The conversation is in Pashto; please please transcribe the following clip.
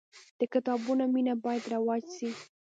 د کتابونو مینه باید رواج سي.